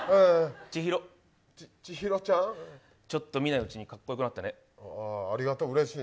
ちょっと見ないうちにかっこよくなったね。